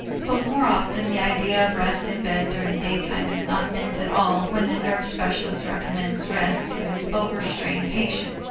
But more often the idea of rest in bed during daytime is not meant at all when the nerve specialist recommends rest to his over strained patient.